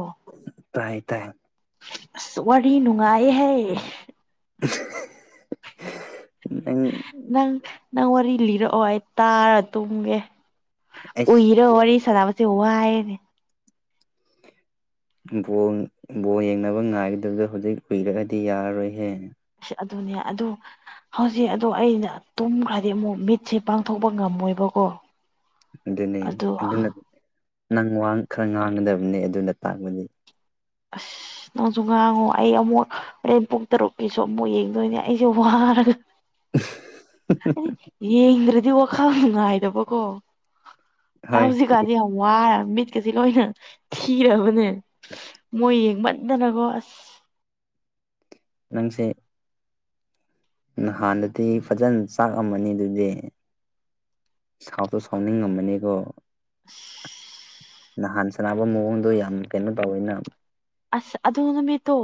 ꯑꯣ ꯇꯥꯏ ꯇꯥꯏ ꯑꯁ ꯋꯥꯔꯤ ꯅꯨꯡꯉꯥꯏꯍꯦ [unintelligible] ꯅꯪ ꯅꯪ ꯋꯥꯔꯤ ꯂꯤꯔꯛꯑꯣ ꯑꯩ ꯇꯥꯔ ꯇꯨꯝꯒꯦ ꯑꯩꯁ ꯎꯏꯌꯦ ꯑꯗꯣ ꯋꯥꯔꯤ ꯁꯗꯥ ꯎ ꯋꯥꯑ ꯕꯣꯜ ꯕꯣꯜ ꯌꯦꯡꯅꯕ ꯉꯥꯏꯗꯨꯗ ꯍꯧꯖꯤꯛ ꯀꯨꯏꯔꯒꯗꯤ ꯌꯥꯔꯔꯣꯏꯍꯦ ꯑꯁ ꯑꯗꯨꯅꯦ ꯑꯗꯨꯗ ꯍꯧꯖꯤꯛ ꯑꯗꯣ ꯑꯩꯅ ꯇꯨꯝꯈ꯭ꯔꯗꯤ ꯑꯃꯨꯛ ꯃꯤꯠꯁꯦ ꯄꯥꯡꯊꯣꯛꯄ ꯉꯝꯃꯣꯏꯕꯀꯣ ꯑꯗꯨꯅꯤ ꯑꯗꯣ ꯑꯗꯨꯅ ꯅꯪ ꯋꯥ ꯈꯥꯔ ꯉꯥꯡꯒꯗꯕꯅꯤ ꯑꯗꯨꯅ ꯇꯥꯛꯕꯗꯤ ꯑꯁ [unintelligible] ꯅ‌ꯣꯁꯨ ꯉꯥꯔꯥꯡ ꯋꯥꯏ ꯑꯃꯨꯛ ꯍꯣꯔꯦꯟ ꯄꯨꯡ ꯇꯔꯨꯛꯀꯤꯁꯨ ꯑꯃꯨꯛ ꯌꯦꯡꯗꯣꯏꯅꯦ ꯑꯩꯁꯦ ꯋꯥꯔ [unintelligible] ꯌꯦꯡꯗ꯭ꯔꯗꯤ ꯋꯥꯈꯜ ꯅꯨꯡ ꯉꯥꯏꯗꯕꯀꯣ ꯍꯣꯏ ꯍꯧꯖꯤꯛꯀꯥꯟꯗꯤ ꯌꯥꯝ ꯋꯥꯔ ꯃꯤꯠꯀꯁꯦ ꯂꯣꯏꯅ ꯊꯤꯔꯕꯅꯦ ꯃꯣꯏ ꯌꯦꯡꯃꯟꯗꯅꯀꯣ ꯑꯁ ꯅꯪꯁꯦ ꯅꯍꯥꯟꯗꯗꯤ ꯐꯖꯅ ꯆꯥꯛꯑꯝꯃꯅꯤ ꯑꯗꯨꯗꯤ ꯁꯥꯎꯁꯨ ꯁꯥꯎꯅꯤꯡꯉꯝꯃꯅꯤꯀꯣ [unintelligible] ꯅꯍꯥꯟ ꯁꯅꯕ ꯃꯑꯣꯡꯗꯣ ꯌꯥꯝ ꯀꯩꯅꯣ ꯇꯧꯋꯦꯅ ꯑꯁ ꯑꯗꯨ ꯅꯨꯃꯤꯠꯇꯣ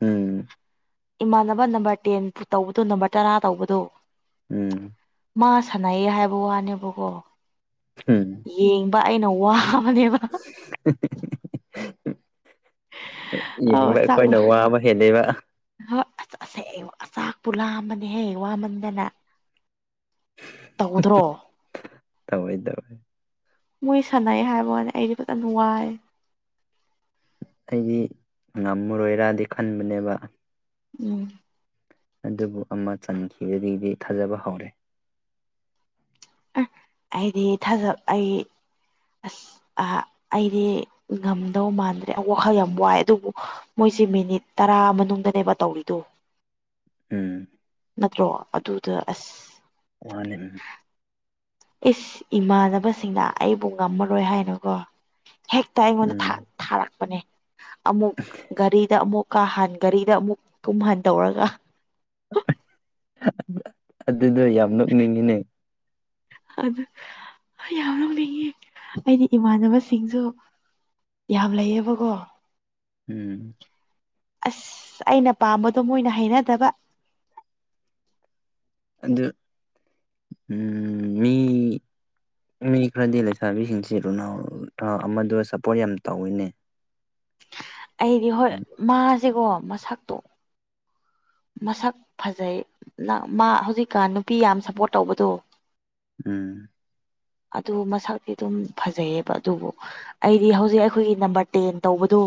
ꯎꯝ ꯏꯃꯥꯟꯅꯕ ꯅꯝꯕꯔ ꯇꯦꯟ ꯇꯧꯕꯗꯣ ꯅꯝꯕꯔ ꯇꯔꯥ ꯇꯧꯕꯗꯣ ꯎꯝ ꯃꯥ ꯁꯥꯟꯅꯩꯌꯦ ꯍꯥꯏꯕ ꯋꯥꯅꯦꯕꯀꯣ ꯎꯝ ꯌꯦꯡꯕ ꯑꯩꯅ ꯋꯥꯕꯅꯦꯕ [unintelligible] ꯌꯦꯡꯕ ꯑꯩꯈꯣꯏꯅ ꯋꯥꯕ ꯍꯦꯜꯂꯦꯕ ꯍꯣꯏ ꯑꯁ ꯑꯁꯦ ꯆ ꯆꯥꯛꯄꯨ ꯂꯥꯝꯕꯅꯦꯍ‌ꯦ ꯋꯥꯃꯟꯗꯅ ꯇꯧꯗ꯭ꯔꯣ ꯇꯧꯋꯦ ꯇꯧꯋꯦ ꯃꯣꯏ ꯁꯥꯟꯅꯩ ꯍꯥꯏꯕ ꯋꯥꯟ ꯑꯩꯗꯤ ꯐꯖꯟ ꯋꯥꯏ ꯑꯩꯗꯤ ꯉꯝꯃꯔꯣꯏꯔꯗꯤ ꯈꯟꯕꯅꯦꯕ ꯎꯝ ꯑꯗꯨꯕꯨ ꯑꯃ ꯆꯟꯈꯤꯕꯗꯩꯗꯤ ꯊꯥꯖꯕ ꯍꯧꯔꯦ ꯑꯩꯗꯤ ꯊꯥꯖ ꯑꯩ [inaudible] ꯑꯍ ꯑꯩꯗꯤ ꯉꯝꯗꯧ ꯃꯥꯟꯗ꯭ꯔꯦ ꯋꯥꯈꯜ ꯌꯥꯝ ꯋꯥꯏ ꯑꯗꯨꯕꯨ ꯃꯣꯏꯁꯤ ꯃꯤꯅꯤꯠ ꯇꯔꯥ ꯃꯅꯨꯡꯗꯅꯦꯕ ꯇꯧꯔꯤꯗꯣ [unintelligible] ꯅꯠꯇ꯭ꯔꯣ ꯑꯗꯨꯗ ꯑꯁ ꯃꯥꯅꯦ ꯏꯁ ꯏꯃꯥꯟꯅꯕꯁꯤꯡꯅ ꯑꯩꯕꯨ ꯉꯝꯃꯔꯣꯏ ꯍꯥꯏꯅꯀꯣ ꯍꯦꯛꯇ ꯑꯩꯉꯣꯟꯗ ꯎꯝ ꯊꯥ ꯊꯥꯔꯛꯄꯅꯦ ꯑꯃꯨꯛ ꯒꯥꯔꯤꯗ ꯑꯃꯨꯛ ꯀꯥ ꯍꯥꯟ ꯒꯥꯔꯤꯗ ꯑꯃꯨꯛ ꯇꯨꯝꯍꯟ ꯇꯧꯔꯒ ꯑꯗꯨꯗꯣ ꯌꯥꯝ ꯅꯣꯛꯅꯤꯡꯉꯤꯅꯦ ꯑꯗꯨ ꯌꯥꯝ ꯅ‌ꯣꯛꯅꯤꯡꯉ‌ꯦ ꯑꯩꯗꯤ ꯏꯃꯥꯟꯅꯕꯁꯤꯡꯁꯨ ꯌꯥꯝ ꯂꯩꯌꯦꯕꯀꯣ ꯎꯝ ꯑꯁ ꯑꯩꯅ ꯄꯥꯝꯕꯗꯣ ꯃꯣꯏꯅ ꯍꯩꯅꯗꯕ ꯑꯗꯨ ꯃꯤ ꯃꯤ ꯈꯔꯗꯤ ꯂꯩꯁꯥꯕꯤꯁꯤꯡꯁꯦ ꯔꯣꯅꯥꯜ ꯑꯃꯗꯣ ꯁꯞꯄꯣꯔꯠ ꯌꯥꯝ ꯇꯧꯋꯤꯅꯦ ꯑꯩꯗꯤ ꯍꯣꯏ ꯃꯥꯁꯦꯀꯣ ꯃꯁꯛꯇꯣ ꯃꯁꯛ ꯐꯖꯩ ꯂ ꯃꯥ ꯍꯧꯖꯤꯛꯀꯥꯟ ꯅꯨꯄꯤ ꯌꯥꯝ ꯁꯞꯄꯣꯔꯠ ꯇꯧꯕꯗꯣ ꯎꯝ ꯑꯗꯨ ꯃꯁꯛꯇꯤ ꯑꯗꯨꯝ ꯐꯖꯩꯌꯦꯕ ꯑꯗꯨꯕꯨ ꯑꯩꯗꯤ ꯍꯧꯖꯤꯛ ꯑꯩꯈꯣꯏꯒꯤ ꯅꯝꯕꯔ ꯇꯦꯟ ꯇꯧꯕꯗꯣ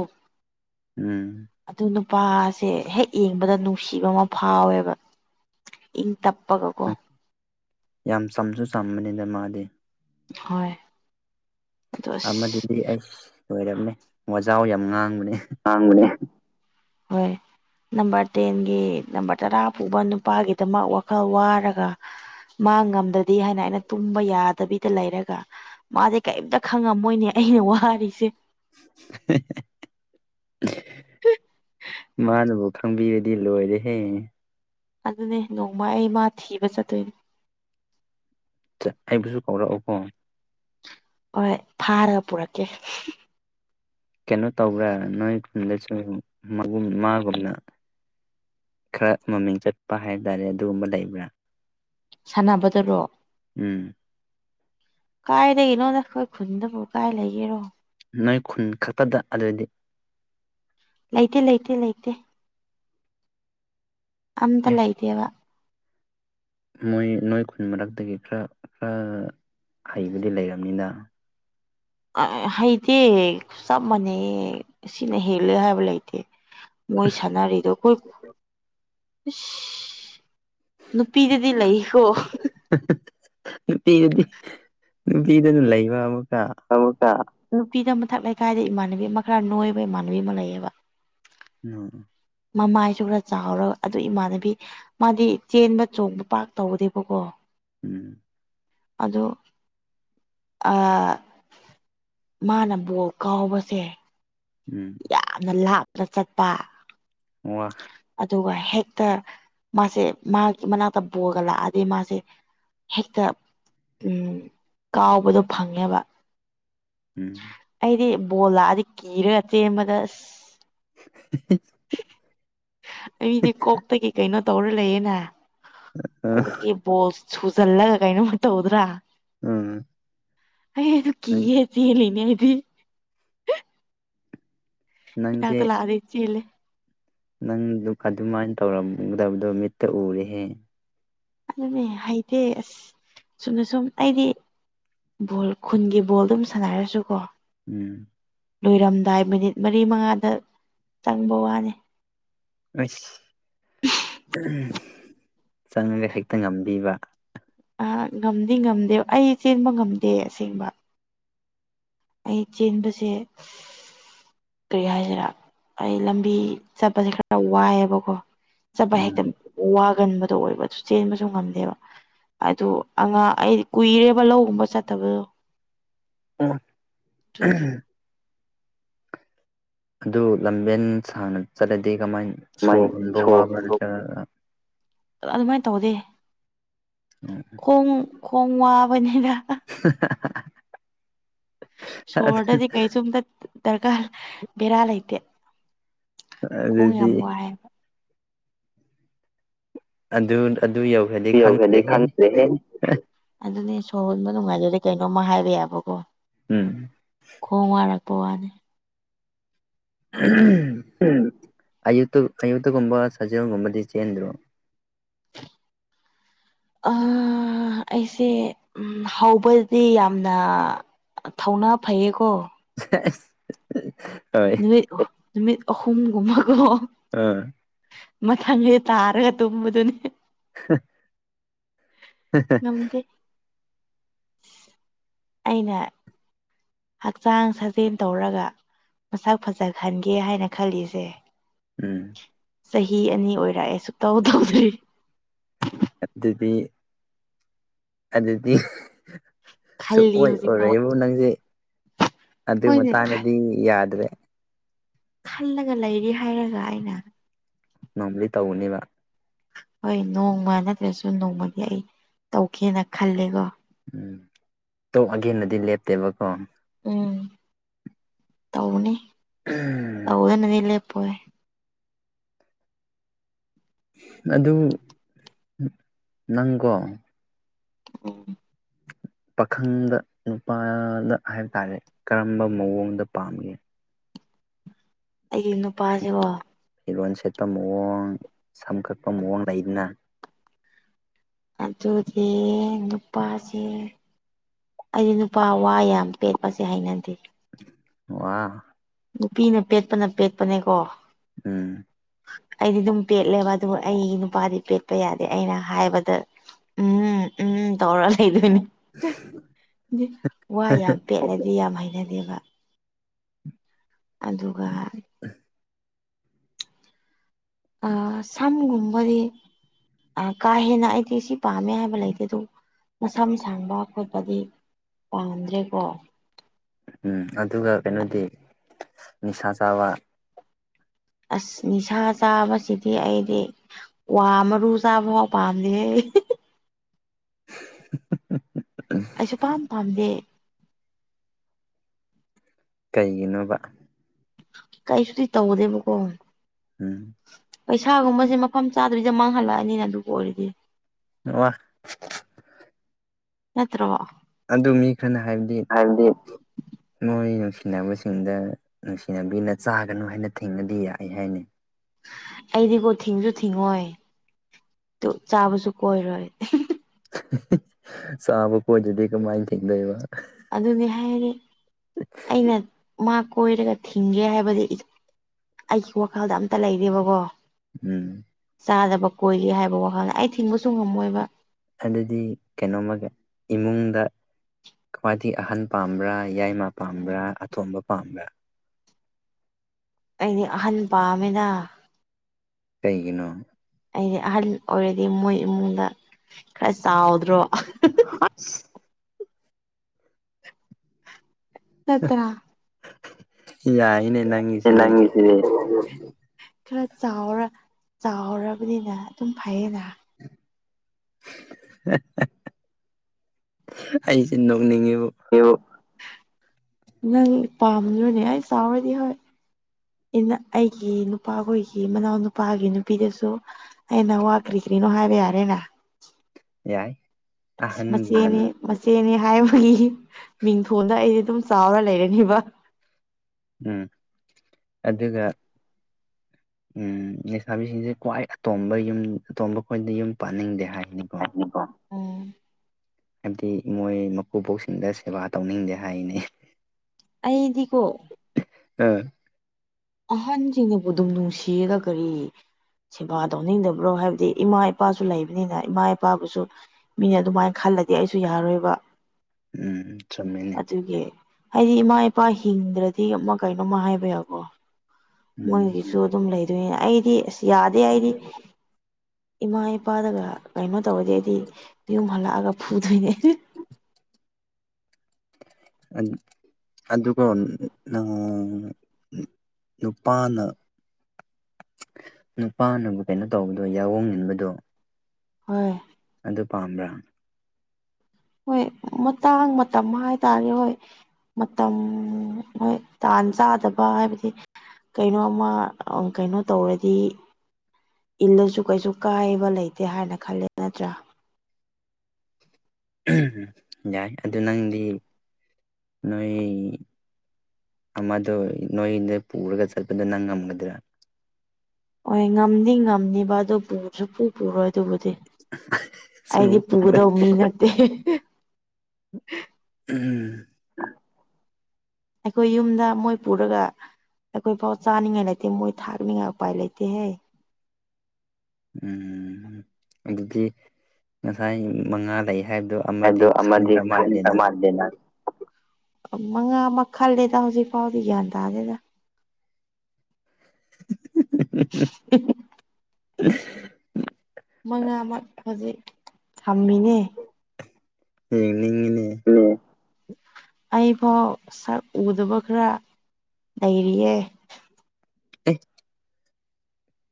ꯎꯝ ꯑꯗꯨ ꯅꯨꯄꯥꯁꯦ ꯍꯦꯛ ꯌꯦꯡꯕꯗ ꯅꯨꯡ ꯅꯨꯡꯁꯤꯕ ꯑꯃ ꯐꯥꯎꯋꯦꯕ ꯏꯪ ꯇꯞꯄꯒ ꯌꯥꯝ ꯆꯝꯁꯨ ꯆꯝꯕꯅꯤꯗ ꯃꯥꯗꯤ ꯍꯣꯏ ꯑꯗꯣ ꯑꯁ ꯑꯃꯗꯨꯗꯤ ꯑꯩꯁ ꯂꯣꯏꯔꯝꯅꯦ ꯋꯥꯖꯥꯎ ꯌꯥꯝ ꯉꯥꯡꯕꯅꯦ ꯉꯥꯡꯕꯅꯦ ꯍꯣꯏ ꯅꯝꯕꯔ ꯇꯦꯟꯒꯤ ꯅꯝꯕꯔ ꯇꯔꯥ ꯄꯨꯕ ꯅꯨꯄꯥꯒꯤꯗꯃꯛ ꯋꯥꯈꯜ ꯋꯥꯔꯒ ꯃꯥ ꯉꯝꯗ꯭ꯔꯗꯤ ꯍꯥꯏꯅ ꯑꯩꯅ ꯇꯨꯝꯕ ꯌꯥꯗꯕꯤ ꯇ ꯂꯩꯔꯒ ꯃꯥꯁꯦ ꯀꯔꯤꯝꯇ ꯈꯪꯉꯝꯃꯣꯏꯅꯦ ꯑꯩꯅ ꯋꯥꯔꯤꯁꯦ [unintelligible] ꯃꯥꯅꯕꯨ ꯈꯪꯕꯤꯔꯗꯤ ꯂꯣꯏꯔꯦꯍꯦ ꯑꯗꯨꯅꯦ ꯅꯣꯡꯃ ꯑꯩ ꯃꯥ ꯊꯤꯕ ꯆꯠꯇꯣꯏꯅꯦ ꯑꯩꯕꯨꯁꯨ ꯀꯧꯔꯛꯎ ꯀꯣ ꯍꯣꯏ ꯐꯥꯔꯒ ꯄꯨꯔꯛꯀꯦ ꯀꯩꯅꯣ ꯇꯧꯕ꯭ꯔꯥ ꯅꯣꯏ ꯈꯨꯟꯗꯁꯨ ꯃꯥꯒꯨꯝꯅ ꯈꯔ ꯃꯃꯤꯡ ꯆꯠꯄ ꯍꯥꯏꯇꯥꯔꯦ ꯑꯗꯨꯒꯨꯝꯕ ꯂꯩꯕ꯭ꯔꯥ ꯁꯥꯟꯅꯕꯗꯔꯣ ꯎꯝ ꯀꯥꯏꯗꯒꯤꯅꯣ ꯅ ꯑꯩꯈꯣꯏ ꯈꯨꯟꯗꯕꯨ ꯀꯥꯏ ꯂꯩꯒꯦꯔꯣ ꯅꯣꯏ ꯈꯨꯟ ꯈꯛꯇꯗ ꯑꯗꯨꯗꯤ ꯂꯩꯇꯦ ꯂꯩꯇꯦ ꯂꯩꯇꯦ ꯑꯝꯇ ꯑꯦ ꯂꯩꯇꯦꯕ ꯃꯣꯏ ꯅꯣꯏ ꯈꯨꯟ ꯃꯔꯛꯇꯒꯤ ꯈꯔ ꯈꯔ ꯍꯩꯕꯗꯤ ꯂꯩꯔꯕꯅꯤꯅ ꯍꯩꯇꯦ ꯆꯞ ꯃꯥꯟꯅꯩ ꯁꯤꯅ ꯍꯦꯜꯂꯦ ꯍꯥꯏꯕ ꯂꯩꯇꯦ ꯃꯣꯏ ꯁꯥꯟꯅꯔꯤꯗ ꯀꯣꯏ ꯅꯨꯄꯤꯗꯗꯤ ꯂꯩꯀꯣ ꯅꯨꯄꯤꯗꯗꯤ ꯅꯨꯄꯤꯗꯅ ꯂꯩꯕ ꯑꯃꯨꯛꯀ ꯑꯃꯨꯛꯇ [unintelligible] ꯅꯨꯄꯤꯗ ꯃꯊꯛ ꯂꯩꯀꯥꯏꯗ ꯏꯃꯥꯟꯅꯕꯤ ꯑꯃ ꯈꯔ ꯅꯣꯏꯕ ꯏꯃꯥꯟꯅꯕꯤ ꯑꯃ ꯂꯩꯌꯦꯕ ꯎꯝ ꯃꯃꯥꯏꯁꯨ ꯈꯔ ꯆꯥꯎꯔꯒ ꯑꯗꯨ ꯏꯃꯥꯟꯅꯕꯤ ꯃꯥꯗꯤ ꯆꯦꯟꯕ ꯆꯣꯡꯕ ꯄꯥꯛ ꯇꯧꯗꯦꯕꯀꯣ ꯎꯝ ꯑꯗꯣ ꯃꯥꯅ ꯕꯣꯜ ꯀꯥꯎꯕꯁꯦ ꯎꯝ ꯌꯥꯝꯅ ꯂꯥꯞꯅ ꯆꯠꯄ ꯍꯣꯏ ꯑꯗꯨꯒ ꯍꯦꯛꯇ ꯃꯥꯁꯦ ꯃꯥꯒꯤ ꯃꯅꯥꯛꯇ ꯕꯣꯜ ꯂꯥꯛꯑꯗꯤ ꯃꯥꯁꯦ ꯍꯦꯛꯇ ꯎꯝ ꯀꯥꯎꯕꯗꯣ ꯐꯪꯉꯦꯕ ꯎꯝ ꯑꯩꯗꯤ ꯕꯣꯜ ꯂꯥꯛꯑꯗꯤ ꯀꯤꯔꯒ ꯆꯦꯝꯕꯗ ꯑꯁ [unintelligible] ꯑꯩꯗꯤ ꯀꯣꯛꯇꯒꯤ ꯀꯩꯅꯣ ꯇꯧꯔ ꯂꯩꯌꯦꯅ ꯀꯣꯛꯇꯒꯤ ꯕꯣꯜꯁ ꯁꯨꯖꯜꯂꯒ ꯀꯩꯅꯣꯝ ꯇꯧꯗ꯭ꯔꯥ ꯎꯝ ꯑꯩ ꯑꯗꯨ ꯅꯪ ꯀꯤꯌꯦ ꯆꯦꯜꯂꯤꯅꯦ ꯑꯩꯗꯤ ꯅꯪꯁꯦ ꯏꯅꯥꯛꯇ ꯂꯥꯛꯑꯗꯤ ꯆꯦꯜꯂꯦ ꯅꯪꯗꯨ ꯑꯗꯨꯃꯥꯏꯅ ꯇꯧꯔꯝꯗꯕꯗꯣ ꯃꯤꯠꯇ ꯎꯔꯦꯍꯦ ꯑꯗꯨꯅꯦ ꯍꯩꯇꯦ ꯑꯁ ꯁꯨꯝꯅ ꯁꯨꯝ ꯑꯩꯗꯤ ꯕꯣꯜ ꯈꯨꯟꯒꯤ ꯕꯣꯜ ꯑꯗꯨꯝ ꯁꯥꯟꯅꯔꯁꯨ ꯀꯣ ꯎꯝ ꯂꯣꯏꯔꯝꯗꯥꯏ ꯃꯤꯅꯤꯠ ꯃꯔꯤ ꯃꯉꯥꯗ ꯆꯪꯕ ꯋꯥꯅꯤ ꯑꯁ ꯆꯪꯉꯒ ꯍꯦꯛꯇ ꯉꯝꯗꯦꯕ ꯑꯥ ꯉꯝꯗꯤ ꯉꯝꯗꯦ ꯑꯩ ꯆꯦꯟꯕ ꯉꯝꯗꯦ ꯑꯁꯦꯡꯕ ꯑꯩ ꯆꯦꯟꯕꯁꯦ ꯀꯔꯤ ꯍꯥꯏꯁꯤꯔꯥ ꯑꯩ ꯂꯝꯕꯤ ꯆꯠꯄꯁꯦ ꯈꯔ ꯋꯥꯏꯑꯦꯕꯀꯣ ꯆꯠꯄ ꯍꯦꯛꯇ ꯎꯝ ꯋꯥꯒꯟꯕꯗꯣ ꯑꯣꯏꯕ ꯆꯦꯟꯕꯁꯨ ꯉꯝꯗꯦꯕ ꯑꯗꯨ ꯑꯉꯥꯡ ꯑꯩꯗꯤ ꯀꯨꯏꯔꯦꯕ ꯂꯧ ꯎꯕ ꯆꯠꯇꯕꯗꯣ ꯑꯣ ꯑꯗꯨꯒꯤ ꯎꯝ ꯑꯗꯨ ꯂꯝꯕꯦꯟ ꯁꯥꯡꯅ ꯆꯠꯂꯗꯤ ꯀꯃꯥꯏꯅ ꯁꯣꯔ ꯍꯣꯟꯕ ꯋꯥꯕ ꯅꯠꯇ꯭ꯔꯒ ꯑꯗꯨꯃꯥꯏꯅ ꯇꯧꯗꯦ ꯈꯣꯡ ꯈꯣꯡ ꯋꯥꯕꯅꯤꯅ [unintelligible] ꯁꯣꯔꯗꯗꯤ ꯀꯩꯁꯨꯝꯇ ꯗꯔꯀꯥꯔ ꯕꯦꯔꯥ ꯂꯩꯇꯦ ꯈꯣꯡ ꯑꯗꯨꯗꯤ ꯌꯥꯝ ꯋꯥꯏꯦ ꯑꯗꯨ ꯑꯗꯨ ꯌꯧꯏ ꯌꯧꯒ꯭ꯔꯗꯤ ꯈꯪꯗꯦꯍꯦ ꯑꯗꯨꯅꯦ ꯁꯣꯔ ꯍꯣꯟꯕ ꯅꯨꯡꯉꯥꯏꯖꯗꯤ ꯀꯩꯅꯣꯝꯃ ꯍꯥꯏꯕ ꯌꯥꯕꯀꯣ ꯎꯝ ꯈꯣꯡ ꯋꯥꯔꯛꯄ ꯋꯥꯅꯦ ꯎꯝ ꯑꯌꯨꯠꯇ ꯑꯌꯨꯠꯇꯒꯨꯝꯕ ꯁꯖꯦꯜꯒꯨꯝꯕꯗꯤ ꯆꯦꯟꯗ꯭ꯔꯣ ꯑꯥ ꯑꯩꯁꯦ ꯍꯧꯕꯗꯤ ꯌꯥꯝꯅ ꯊꯧꯅꯥ ꯐꯩꯌꯦꯀꯣ ꯍꯣꯏ ꯅꯨꯃꯤꯠ ꯅꯨꯃꯤꯠ ꯑꯍꯨꯝꯒꯨꯝꯕꯀꯣ ꯑ ꯃꯊꯪꯁꯦ ꯇꯥꯔꯒ ꯇꯨꯝꯕꯗꯨꯅꯤ ꯉꯝꯗꯦ ꯑꯏꯩꯅ ꯍꯛꯆꯥꯡ ꯁꯥꯖꯦꯜ ꯇꯧꯔꯒ ꯃꯁꯛ ꯐꯖꯍꯟꯒꯦ ꯍꯥꯏꯅ ꯈꯜꯂꯤꯁꯦ ꯎꯝ ꯆꯍꯤ ꯑꯅꯤ ꯑꯣꯏꯔꯛꯑꯦ ꯁꯨ ꯇꯧ ꯇꯧꯗ꯭ꯔꯤ ꯑꯗꯨꯗꯤ ꯑꯗꯨꯗꯤ ꯁꯨꯛ ꯈꯜꯂꯤ ꯑꯣꯏ ꯍꯧꯖꯤꯛꯐꯥꯎ ꯑꯣꯏꯔꯣꯏꯕꯨ ꯅꯪꯁꯦ ꯑꯗꯨꯒꯤ ꯍꯣꯏꯅꯦ ꯃꯇꯥꯡꯗꯗꯤ ꯌꯥꯗ꯭ꯔꯦ ꯈꯜꯂꯒ ꯂꯩꯔꯤ ꯍꯥꯏꯔꯒ ꯑꯩꯅ ꯉꯝꯂꯗꯤ ꯇꯧꯅꯦꯕ ꯍꯣꯏ ꯅꯣꯡꯃ ꯅꯠꯇ꯭ꯔꯁꯨ ꯅꯣꯡꯃꯗꯤ ꯑꯩ ꯇꯧꯒꯦꯅ ꯈꯜꯂꯦꯀꯣ ꯎꯝ ꯇꯣꯛꯑꯒꯦꯟꯅꯗꯤ ꯂꯦꯞꯇꯦꯕꯀꯣ ꯎꯝ ꯇꯧꯅꯤ ꯇꯧꯗꯅꯗꯤ ꯂꯦꯞꯄꯣꯏ ꯑꯗꯨ ꯅꯪꯀꯣ ꯎꯝ ꯄꯥꯈꯪꯗ ꯅꯨꯄꯥꯗ ꯍꯥꯏꯕ ꯇꯥꯔꯦ ꯀꯔꯝꯕ ꯃꯑꯣꯡꯗ ꯄꯥꯝꯒꯦ ꯑꯩꯒꯤ ꯅꯨꯄꯥꯁꯤꯕꯣ ꯐꯤꯔꯣꯟ ꯁꯦꯠꯄ ꯃꯑꯣꯡ ꯁꯝ ꯀꯛꯄꯥ ꯃꯑꯣꯡ ꯂꯩꯗꯅ ꯑꯗꯨꯗꯤ ꯅꯨꯄꯥꯁꯦ ꯑꯩꯗꯤ ꯅꯨꯄꯥ ꯋꯥ ꯌꯥꯝ ꯄꯦꯠꯄꯁꯦ ꯍꯩꯅꯗꯦ ꯋꯥ ꯅꯨꯄꯤꯅ ꯄꯦꯠꯄꯅ ꯄꯦꯠꯄꯅꯦꯀꯣ ꯎꯝ ꯑꯩꯗꯤ ꯑꯗꯨꯝ ꯄꯦꯠꯂꯦꯕ ꯑꯗꯨꯒ ꯑꯩꯒꯤ ꯅꯨꯄꯥꯗꯤ ꯄꯦꯠꯄ ꯌꯥꯗꯦ ꯑꯩꯅ ꯍꯥꯏꯕꯗ ꯎꯝ ꯎꯝ ꯇꯧꯔꯂ ꯏꯗꯣꯏꯅꯦ ꯋꯥ ꯌꯥꯝ ꯄꯦꯠꯂꯗꯤꯦ ꯌꯥꯝ ꯍꯩꯅꯗꯦꯕ ꯑꯗꯨꯒ ꯎ ꯁꯝꯒꯨꯝꯕꯗꯤ ꯀꯥ ꯍꯦꯟꯅ ꯑꯩꯗꯤ ꯁꯤ ꯄꯥꯝꯃꯦ ꯍꯥꯏꯕ ꯂꯩꯇꯦ ꯑꯗꯨ ꯃꯁꯝ ꯁꯥꯡꯕ ꯈꯣꯠꯄꯗꯤ ꯄꯥꯝꯗ꯭ꯔꯦꯀꯣ ꯎꯝ ꯑꯗꯨꯒ ꯀꯩꯅꯣꯗꯤ ꯅꯤꯁꯥ ꯆꯥꯕ ꯑꯁ ꯅꯤꯁꯥ ꯆꯥꯕꯁꯤꯗꯤ ꯑꯩꯗꯤ ꯀꯨꯋꯥ ꯃꯔꯨ ꯆꯥꯕ ꯐꯥꯎ ꯄꯥꯝꯗꯦꯍꯦ [inaudible] ꯑꯩ ꯁꯨꯡꯄꯥꯝ ꯄꯥꯝꯗꯦ ꯀꯩꯒꯤꯅꯣꯕ ꯀꯩꯁꯨꯗꯤ ꯇꯧꯗꯦꯕꯀꯣ ꯎꯝ ꯄꯩꯁꯥꯒꯨꯝꯕꯁꯦ ꯃꯐꯝ ꯆꯥꯗꯕꯤꯗ ꯃꯥꯡꯍꯜꯂꯛꯑꯅꯤꯅ ꯑꯗꯨ ꯑꯣꯏꯔꯗꯤ ꯑꯣ [inaudible] ꯅꯠꯇ꯭ꯔꯣ ꯑꯗꯨ ꯃꯤ ꯈꯔꯅ ꯍꯥꯏꯕꯗꯤ ꯅꯣꯏ ꯅꯨꯡꯁꯤꯅꯕꯁꯤꯡꯗ ꯅꯨꯡꯁꯤꯅꯕꯤꯅ ꯆꯥꯒꯅꯨ ꯍꯥꯏꯅ ꯊꯤꯡꯉꯗꯤ ꯌꯥꯏ ꯍꯥꯏꯅꯤ ꯑꯩꯗꯤꯒꯣ ꯊꯤꯡꯁꯨ ꯊꯤꯡꯉꯣꯏ ꯆꯥꯕꯁꯨ ꯀꯣꯏꯔꯣꯏ ꯆꯥꯕ ꯀꯣꯏꯗꯗꯤ ꯀꯃꯥꯏꯅ ꯊꯦꯡꯗꯣꯏꯕ ꯑꯗꯨꯅꯦ ꯍꯥꯏꯗꯤ ꯑꯩꯅ ꯃꯥ ꯀꯣꯏꯔꯒ ꯊꯤꯡꯒꯦ ꯍꯥꯏꯕꯗꯤ ꯑꯩꯒꯤ ꯋꯥꯈꯜꯗ ꯑꯝꯇ ꯂꯩꯇꯦꯕꯀꯣ ꯎꯝ ꯆꯥꯗꯕ ꯀꯨꯏꯒꯦ ꯍꯥꯏꯕ ꯋꯥꯈꯜꯗ ꯑꯩ ꯊꯤꯡꯕꯁꯨ ꯉꯝꯃꯣꯏꯕ ꯑꯗꯨꯗꯤ ꯀꯩꯅꯣꯃꯒ ꯏꯃꯨꯡꯗ ꯈ꯭ꯋꯥꯏꯗꯩ ꯑꯍꯟ ꯄꯥꯝꯕ꯭ꯔꯥ ꯌꯥꯏꯃ ꯄꯥꯝꯕ꯭ꯔꯥ ꯑꯇꯣꯝꯕ ꯄꯥꯝꯕ꯭ꯔꯥ ꯑꯩꯗꯤ ꯑꯍꯟ ꯄꯥꯝꯃꯤꯅ ꯀꯩꯒꯤꯅꯣ ꯑꯩꯗꯤ ꯑꯍꯜ ꯑꯣꯏꯔꯗꯤ ꯃꯣꯏ ꯏꯃꯨꯡꯗ ꯈꯔ ꯆꯥꯎꯗ꯭ꯔꯣ ꯑꯁ ꯅꯠꯇ꯭ꯔꯥ ꯌꯥꯢ ꯑꯗꯨꯗꯤ ꯅꯪꯗꯤ ꯈꯔ ꯆꯥꯎꯔ ꯆꯥꯎꯔꯕꯅꯤꯅ ꯑꯗꯨꯝ ꯐꯩꯌꯦꯅ ꯑꯩꯁꯦ ꯅꯣꯛꯅꯤꯡꯉꯤꯕꯨ ꯅꯪ ꯄꯥꯝꯗ꯭ꯔꯣꯅꯦ ꯑꯩ ꯄꯥꯝꯃꯗꯤ ꯍꯣꯏ ꯑꯩꯒꯤ ꯅꯨꯄꯥꯈꯣꯏꯒꯤ ꯃꯅꯥꯎ ꯅꯨꯄꯥꯒꯤ ꯅꯨꯄꯤꯗꯨꯁꯨ ꯑꯩꯅ ꯋꯥ ꯀꯔꯤꯀꯔꯤꯅꯣ ꯍꯥꯏꯕ ꯌꯥꯔꯦꯅ ꯌꯥꯏ ꯑꯍꯟꯒꯤ ꯃꯆꯦꯅꯦ ꯃꯆꯦꯅꯦ ꯍꯥꯏꯕꯒꯤ ꯃꯤꯡꯊꯣꯟꯗ ꯑꯩꯁꯦ ꯑꯗꯨꯝ ꯆꯥꯎꯔ ꯂꯩꯔꯅꯤꯕ ꯎꯝ ꯑꯗꯨꯒ ꯎꯝ ꯂꯩꯁꯥꯕꯤꯁꯤꯡꯁꯦ ꯈ꯭ꯋꯥꯏ ꯑꯇꯣꯝꯕ ꯌꯨꯝ ꯑꯇꯣꯝꯕ ꯑꯩꯈꯣꯏꯗ ꯌꯨꯝ ꯄꯥꯅꯤꯡꯗꯦ ꯍꯥꯏꯅꯤꯀꯣ ꯎꯝ ꯍꯥꯏꯕꯗꯤ ꯃꯣꯏ ꯃꯀꯨꯕꯣꯛꯁꯤꯡꯗ ꯁꯦꯕꯥ ꯇꯧꯅꯤꯡꯗꯦ ꯍꯥꯏꯅꯦ ꯑꯩꯗꯤꯀꯣ ꯑꯥ ꯑꯍꯟꯁꯤꯡꯅꯕꯨ ꯑꯗꯨꯝ ꯅꯨꯡꯁꯤꯗ ꯀꯔꯤ ꯁꯦꯕꯥ ꯇꯧꯅꯤꯡꯗꯕ꯭ꯔꯣ ꯍꯥꯏꯕꯗꯤ ꯏꯃꯥ ꯏꯄꯥꯁꯨ ꯂꯩꯕꯅꯤꯅ ꯏꯃꯥ ꯏꯄꯥꯕꯨꯁꯨ ꯃꯤꯅ ꯑꯗꯨꯃꯥꯏ ꯈꯜꯂꯗꯤ ꯑꯩꯁꯨ ꯌꯥꯔꯣꯏꯕ ꯎꯝ ꯆꯨꯝꯃꯤꯅꯦ ꯑꯗꯨꯒꯤ ꯑꯩꯗꯤ ꯏꯃꯥ ꯏꯄꯥ ꯍꯤꯡꯗ꯭ꯔꯗꯤ ꯑꯃ ꯀꯩꯅꯣꯝꯃ ꯍꯥꯏꯕ ꯌꯥꯢꯒꯣ ꯎꯝ ꯃꯣꯏꯒꯤꯁꯨ ꯑꯗꯨꯝ ꯂꯩꯗꯣꯏꯅꯦ ꯑꯩꯗꯤ ꯑꯁ ꯌꯥꯗꯦ ꯑꯩꯗꯤ ꯏꯃꯥ ꯏꯄꯥꯗꯒ ꯀꯩꯅꯣ ꯇꯧꯔꯗꯤ ꯌꯨꯝ ꯍꯜꯂꯛꯑꯒ ꯐꯨꯗꯣꯏꯅꯦ ꯑꯗꯨ ꯑꯗꯨꯒꯣ ꯅꯪ ꯅꯨꯄꯥꯅ ꯅꯨꯄꯥꯅꯕꯨ ꯀꯩꯅꯣ ꯇꯧꯕꯗꯣ ꯌꯥꯑꯣꯡ ꯏꯟꯕꯗꯣ ꯍꯣꯏ ꯑꯗꯨ ꯄꯥꯝꯕꯔꯥ ꯍꯣꯏ ꯃꯇꯥꯡ ꯃꯇꯝ ꯍꯥꯏꯇꯥꯔꯦ ꯍꯣꯏ ꯃꯇꯝ ꯍꯣꯏ ꯇꯥꯟ ꯆꯥꯗꯕ ꯍꯥꯏꯕꯗꯤ ꯀꯩꯅꯣ ꯑꯃꯥ ꯀꯩꯅꯣ ꯇꯧꯔꯗꯤ ꯏꯜꯂꯁꯨ ꯀꯩꯁꯨ ꯀꯥꯏꯕ ꯂꯩꯇꯦ ꯍꯥꯏꯅ ꯈꯂꯦ ꯅꯠꯇ꯭ꯔꯥ ꯌꯥꯏ ꯑꯗꯨ ꯅꯪꯗꯤ ꯅꯣꯏ ꯑꯃꯗꯣ ꯅꯣꯏꯗ ꯄꯨꯔꯒ ꯆꯠꯄꯗꯣ ꯅꯪ ꯉꯝꯒꯗ꯭ꯔꯥ ꯍꯣꯏ ꯉꯝꯗꯤ ꯉꯝꯅꯤꯕ ꯑꯗꯣ ꯄꯨ ꯁꯨꯄꯨꯄꯨꯔꯣꯏ ꯑꯗꯨꯕꯨꯗꯤ ꯑꯩꯗꯤ ꯎꯝ ꯄꯨꯒꯗꯧꯃꯤ ꯅꯠꯇꯦ ꯎꯝ [unintelligible] ꯑꯩꯈꯣꯏ ꯌꯨꯝꯗ ꯃꯣꯏ ꯄꯨꯔꯒ ꯑꯩꯈꯣꯏ ꯐꯥꯎ ꯆꯥꯅꯤꯡꯉꯥꯏ ꯂꯩꯇꯦ ꯃꯣꯏ ꯊꯥꯛꯅꯤꯡꯉꯥꯏ ꯎꯄꯥꯏ ꯂꯩꯇꯦꯍꯦ ꯎꯝ ꯑꯗꯨꯗꯤ ꯉꯁꯥꯏ ꯃꯉꯥ ꯂꯩ ꯍꯥꯏꯕꯗꯣ ꯑꯃꯗꯤ ꯑꯗꯣ ꯑꯃꯗꯤ ꯈꯟꯈ꯭ꯔ ꯈꯟ ꯃꯥꯜꯂꯦꯅ ꯃꯥꯗꯦꯅ ꯃꯉꯥ ꯑꯃ ꯈꯜꯂꯦꯗ ꯍꯧꯖꯤꯛ ꯐꯥꯎꯗꯤ ꯒꯌꯥꯟ ꯇꯥꯗꯦꯗ ꯎ [unintelligible] ꯃꯉꯥꯃꯛ ꯍꯧꯖꯤꯛ ꯊꯝꯃꯤꯅꯦ ꯌꯦꯡꯅꯤꯡ ꯉꯤꯅꯦ ꯎꯝ ꯑꯩꯐꯥꯎ ꯁꯛ ꯎꯗꯕ ꯈꯔ ꯂꯩꯔꯤꯌꯦ ꯑꯩ